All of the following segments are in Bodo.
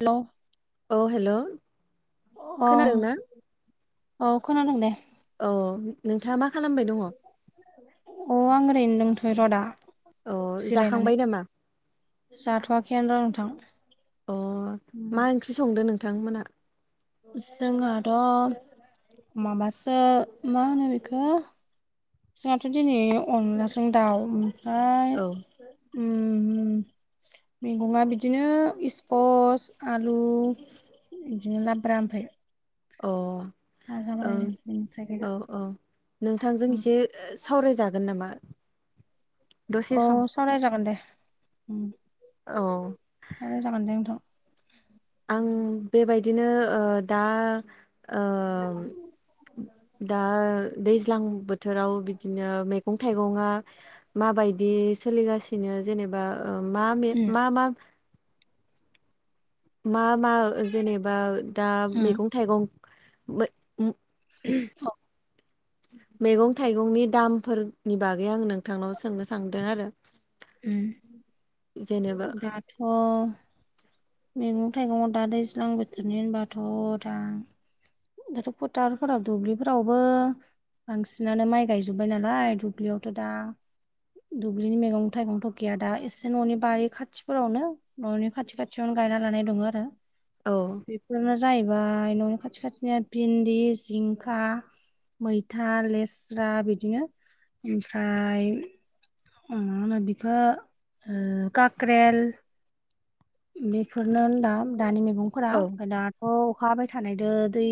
हेलौ औ हेल' अ खोनादोंना औ खोनादों दे औ नोंथाङा मा खालामबाय दङ अ आं ओरैनो दंथ'यो र' दा औ जाखांबाय जिरायनानै नामा जाथ'वाखैनो र' नोंथां अ मा ओंख्रि संदों नोंथां मोनहा जोंहाथ' माबासो मा होनो बेखौ जोंहाथ' दिनै अनलाजों दाउ ओमफ्राय औ उम [inaudible] मैगङा बिदिनो इकस आलु बिदिनो लाब्रा ओमफ्राय अ भाजा बानायदों ओं बेनिफ्राय गैला औ औ नोंथांजों एसे सावरायजागोन नामा? दसे अ सम सावराय जागोन दे। उम, औ सावराय जागोन दे नोंथां। आं बेबायदिनो ओ दा ओ दा दैज्लां बोथोराव बिदिनो मैगं थाइगंङा माबायदि सोलिगासिनो जेनेबा मा मे उम मा मा मा मा जेनेबा दा उम मैगं थाइगं मै औ [inaudible] मैगं थाइगंनि दामफोरनि बागै आं नोंथांनाव सोंनो सानदों आरो। उम जेनेबा दाथ' मैगं थाइगंङाव दा दैज्लां बोथोरनि होनबाथ' दा दाथ' फोथारफोराव दुब्लिफोरावबो बांसिनानो माइ गायजोब्बाय नालाय दुब्लियावथ' दा दुब्लिनि मैगं थाइगंथ' गैया दा एसे न'नि बारि खाथिफोरावनो न'नि खाथि खाथियावनो गायना लानाय दङो आरो औ। बेफोरानो जाहैबाय न'नि खाथि खाथिनि भिन्दि, जिंखा मैथा, लेस्रा बिदिनो ओमफ्राय ओ माहोनो बेखौ ओ काक्रेल बेफोरनो होनदा दानि मैगंफोरा औ ओमफ्राय दाथ' अखा हाबाय थानायदो दै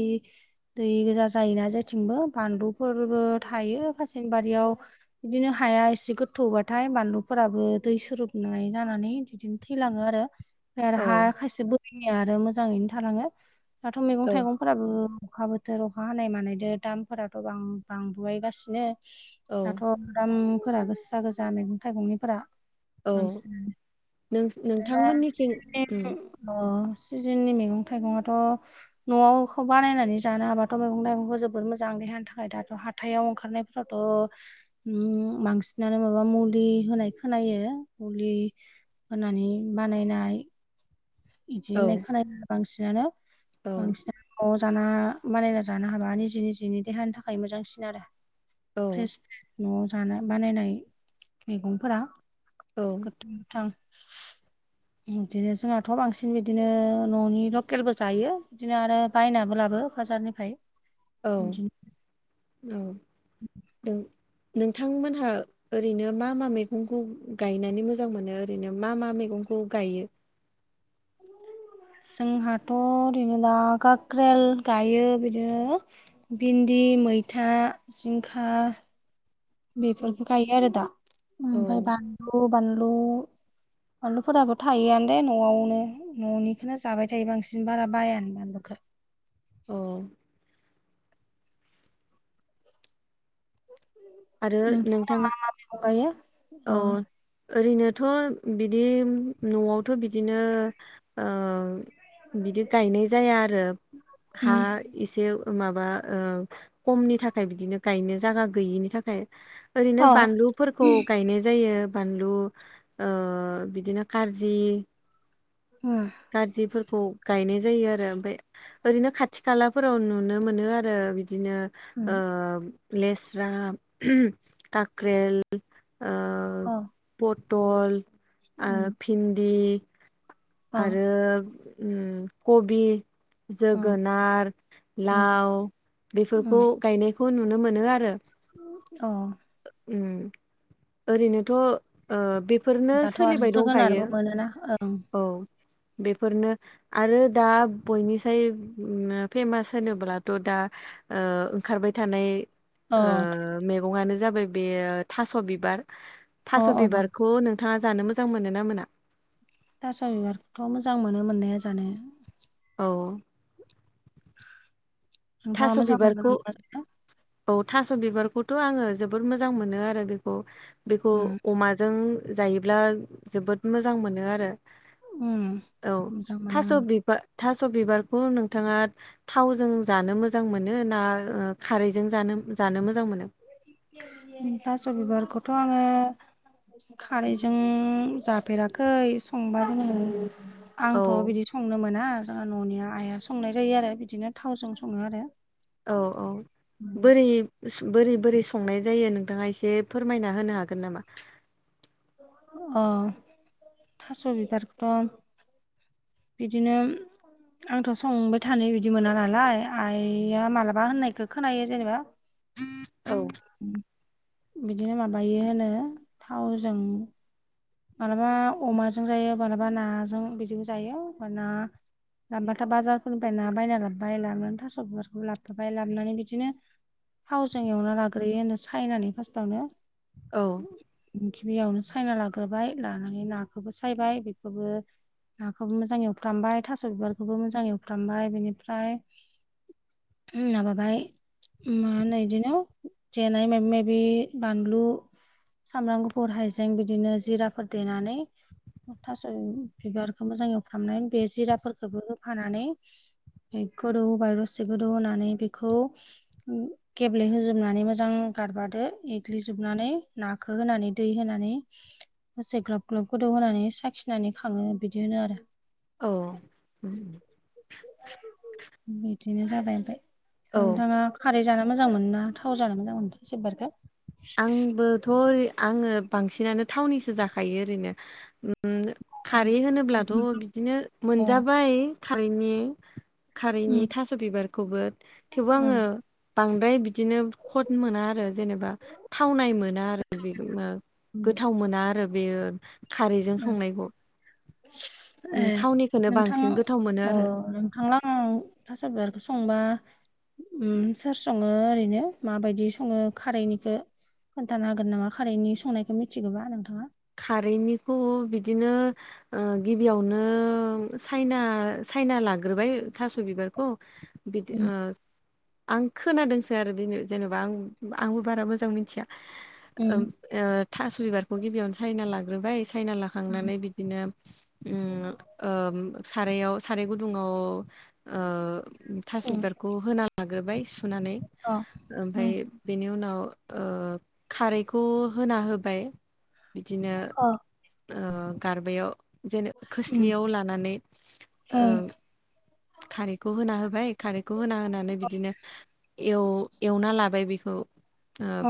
दै गोजा जायोना जेथिंबो बानलुफोरबो थायो खासें बारियाव बिदिनो हाया एसे गोथौबाथाय बानलुफोराबो दै सोरोबनाय जानानै बिदिनो थैलाङो आरो ओमफ्राय आरो हा औ खायसे बोरिनिया आरो मोजाङैनो थलाङो दाथ' मैगं औ थाइगं फोराबो अखा बोथोर अखा हानाय मानायदो दामफोराथ' बां-बांबोबायगासिनो। औ दाथ' दामफोरा गोसा गोजा मैगं थाइगंनिफोरा। औ नों [unintelligible] नोंथांमोननिथिं उम, [unintelligible] सिजोननि मैगं थाइगङाथ' न'आवखौ बानायनानै जानो हाबाथ' मैगं थाइगंखौ जोबोद मोजां देहानि थाखाय दाथ' हाथायाव ओंखारनाय फाथ' उम बांसिनानो माबा मुलि होनाय खोनायो। मुलि होनानै बानायनाय इदि औ होननाय खोना बांसिनानो। औ बांसिनानो न'आव जाना मानायना जानो हाबा निजे निजेनि देहानि थाखाय मोजांसिन आरो। औ फ्रेस स न'आव जानो बानायनाय मैगंफोरा। औ गो थ गोथां इदिनो जोंहा थ' बांसिन बिदिनो न'नि लकेलबो जायो बिदिनो आरो बायनाबो लाबो फाजारनिफ्राय। औ औ नों-नोंथांमोनहा ओरैनो मा मा मैगंखौ गायनानै मोजां मोनो ओरैनो मा मा मैगंखौ गायो? [inaudible] जोंहाथ' ओरैनो दा गाक्रेल गायो बिदिनो भिन्दि, मैथा, जिंखा बेफोरखौ गायो आरो दा। औ ओमफाय बानलु बानलु बानलुफोराबो थायोआनो दे न'आवनो। न'निखोनो जाबाय थायो बांसिन बारा बायानो बानलुखो। औ। आरो नोंथांमोना नोंथाङा मा मा मैगं गायो औ अ । ओरैनोथ' बिदि न'आवथ' बिदिनो ओ बिदि गायनाय जाया आरो हा उम एसे माबा ओ खमनि थाखाय बिदिनो गायनो जागा गैयिनि थाखाय ओरैनो अ बानलुफोरखौ गायनाय जायो। बानलु ओ बिदिनो कार्जि उमह। कार्जिफोरखौ गायनाय जायो आरो। ओमफाय ओरैनो खाथि खालाफोराव नुनो मोनो आरो बिदिनो ओ उम लेस्रा, काक्रेल ओ औ। पथल, ओ भिन्दि अ उम आरो उम कबि जोगोनार, उम लाव बेफोरखौ उम गायनायखौ नुनो मोनो आरो। अ ओ उम ओरैनोथ' ओ बे फोरनो दाथ' आरो सोलिबाय दंखायो। जोगोनारबो मोनोना औ बेफोरनो आरो दा बयनिसाय उम फेमास होनोब्लाथ' दा ओंखारबाय थानाय ओ ओं मैगंआनो जाबाय बे थास' बिबार अ थास' अ अ बिबारखौ होनो नोंथाङा जानो मोजां मोनोना मोना थास' बिबारखौथ' मोजां मोनो मोननाया जानो। औ थास' नोंथाङा मोजां बिबारखौ मोनगोनना मोना [unintelligible] औ थास' बिबारखौथ' आङो जोबोर मोजां मोनो आरो बेखौ। बेखौ उम अमा जों जायोब्ला जोबोद मोजां मोनो आरो। उम औ मोजां मोनो थास' बिबा थास' बिबारखौ नोंथाङा थावजों जानो मोजां मोनो ना ओ खारै बे जों जानो जानो मोजां मोनो बि थास बिबारखौथ' आङो खारैजों जाफेराखै संबा जोंङो औ आंथ' बिदि संनो मोना जोंहा न'निया आइआ संनाय जायो आरो बिदिनो थावजों सङो आरो। औ औ बोरै बोरै बोरै संनाय जायो नोंथाङा एसे फोरमायना होनो हागोन नामा। अ थास' बिबारखौथ' बिदिनो आंथ' संबाय थानो बिदि मोना नालाय आइआ मालाबा होननायखौ खोनायो जेनेबा औ बिदिनो माबायो होनो थावजों मालाबा अमाजों जायो मालाबा नाजों बिदिबो जायो मानोना लाबबाथ' बाजारफोरनिफ्राय ना बायना लाबोबाय लाबोनानै थास' बारखौ लाबोथारबाय लाबोनानै बिदिनो थावजों एवना लाग्रोयो होनो सायनानै फार्स्टावनो औ गिबियावनो सायना लाग्रोबाय लानानै नाखौबो सायबाय बेखोबो नाखौबो मोजाङै एवफ्रामबाय थास' बिबारखौबो मोजाङै एवफ्रामबाय बिनिफ्राय माबाबाय मा होनो इदिनो देनाय मायबा मायबि बानलु सामब्राम गुफुर हाइजें बिदिनो जिराफोर देनानै थास' बिबारखौ मोजां एवफ्रामनानै बे जिराफोरखौबो होफानानै गोदौ होबाय होनानै दसे गोदौ होनानै बेखौ गेब्लेहोजोबनानै मोजां गारबादो एग्लिजोबनानै नाखौ होनानै दै होनानै दसे ग्लाब ग्लब गोदौ होनानै साखिनानै खाङो बिदि होनो आरो औ अम बिदिनो जाबाय ओमफाय औ नोंथाङा खारै जानो मोजां मोना थाव जानो मोजां मोनो थास बिबार खो आंबोथ' ओ आङो बांसिनानो थावननिसो जाखायो ओरैनो अ खारै होनोब्लाथ' बिदिनो मोनजाबाय खारैनि खारैनि उम थास' बिबारखौबो थेवबो उम आङो बांद्राय बिदिनो खट मोना आरो जेने थावनाय मोना आरो उम गोथाव मोना आरो बेयो खारैजों संनायखौ ए थावनिखोनो बांसिन गोथाव मोनो आरो। थांलां आं थास बिारखौ संबा अम सोर सङो ओरैनो माबायदि सङो खारैनिखौ खोन्थानो होगोन नामा खारैनि संनायखौ मिथिगौबा नोंथाङा खारैनिखौ बिदिनो गिबियावनो साइना साइना लाग्रोबाय थास' बिबारखौ बिदि ओ उम आं खोनादोंसो आरो बि जेनेबा आं आंबो बारा मोजां मिथिया उम थास' बिबारखौ गिबियावनो सायना लाग्रोबाय सायना उम लाखांनानै बिदिनो सारायाव साराय गुदुङाव ओ थास बिबारखौ होना लाग्रोबाय सुनानै अ ओमफाय उम बेनि उनाव ओ खारैखौ होना होबाय बिदिनो अ गारबायाव जेने उम खोस्लियाव लानानै उम खारैखौ होना होबाय। खारैखौ होना होनानै बिदिनो एव एवना लाबाय बेखौ ओ अ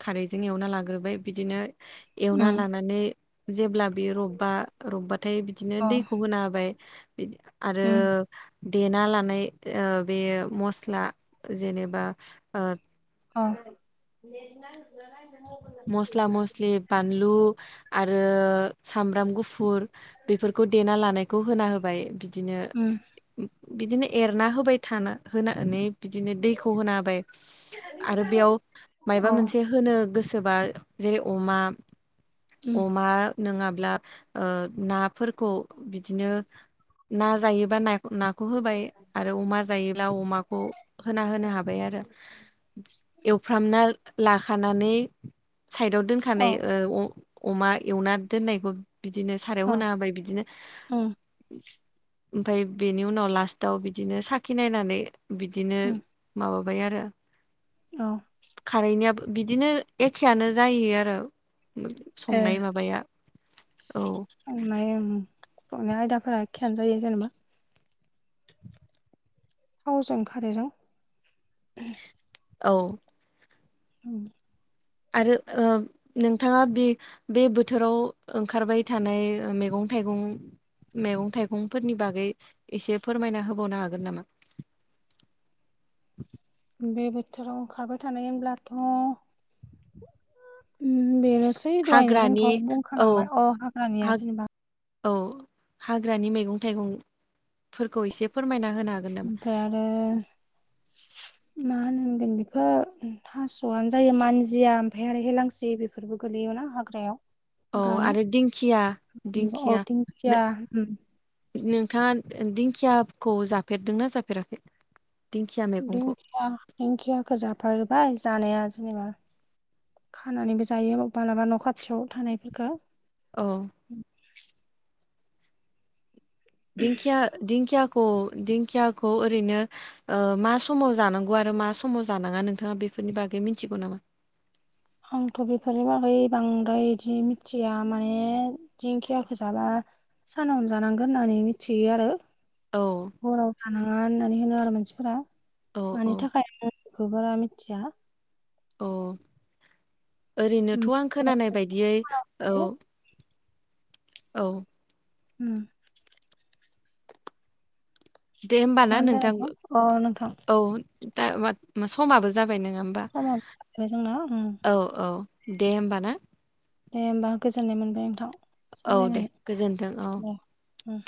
खारैजों एवना लाग्रोबाय बिदिनो एवना उम लानानै जेब्ला बेयो रबबा रबबाथाय बिदिनो अ दैखौ होना हाबाय आरो उम देना लानाय ओ‌ बे मस्ला जेनेबा ओ ओ मस्ला मस्लि बानलु आरो सामब्राम गुफुर बेफोरखौ देना लानाय खौ होना होबाय बिदिनो उम बिदिनो एरना होबाय थानाय होनानैै बिदिनो दैखौ होना होबाय आरो बेयाव अ मायबा मोनसे होनो गोसोबा जेरै अमा उम अमा नोङाब्ला ओ नाफोरखौ बिदिनो ना जायोबा ना नाखौ होबाय आरो अमा जायोब्ला अमाखौ होना होनो हाबाय आरो एवफ्रामना लाखानानै साइदाव अ दोनखानाय ओ अमा एवना दोननायखौ बिदिनो साराआव अ होना होबाय बिदिनो उम ओमफाय बेनि उनाव लास्टाव बिदिनो साखि नायनानै बिदिनो उम माबाबाय आरो औ खारैनिआबो बिदिनो एखेआनो जायो आरो संनाय माबाआ औ अनायआ ओ संनाय आयदाफोरा एखेयानो जायो जेनेबा थावजों खारैजों ओम औ ओम आरो ओ नोंथाङा बि बे बोथोराव ओंखारबाय थानाय मैगं थाइगं मैगं थाइगंफोरनि बागै एसे फोरमायना होबावनो हागोन नामा बे बोथोराव ओंखारबाय थानाय होनब्लाथ' ओम बेनोसै दहायनो हाग्रानि जोंथ' औ बुंखानांबाय अ हाग्रानिया हा जेनोबा औ हाग्रानि मैगं थाइगंफोरखौ एसे फोरमायना होनो हा ओफ्राय आरो मा मा होनगोन बेखौ थास'आनो जायो मानजिया ओमफ्राय आरो हेलांस्रि बेफोरबो गोलैयोना हाग्राआव औ आरो दिंखिया [inaudible] नोंथांआ दिंखिआखौ जाफेरदोंना जाफेराखै दिंखिया मैगंखौ? दिंखिआ दिंखिआखौ जाफेरबाय जानाया जेनोबा खानानैबो जायो मालाबा न' खाथिआव थानायफोरखौ औ दिंखिआ दिंखिआखौ दिंखिआखौ ओरैनो ओ मा समाव जानांगौ आरो मा समाव जानाङा नोंथाङा बेफोरनि बागै मिथिगौ नामा आंथ' बेफोरनि बागै बांद्राय इदि मिथिया माने दिंखिआखौ जाबा सानावनो जानांगोन होननानै मिथियो आरो औ हराव जानाङा होननानै होनो आरो मानसिफोरा औ औ मानि थाखाय खौ बारा आ मिथिया अ ओरैनोथ' आं खोनानाय बायदियै औ औ उम दे होमबा ना मानो जाया नोंथां अ नोंथां औ दा मा समाबो जाबाय नोङा बा समाबो जाबाय जोंना उम औ औ दे होमबा ना? दे होमबा गोजोननाय मोनबाय नोंथां औ दे सावरायनानै गोजोन्थों औ दे उम।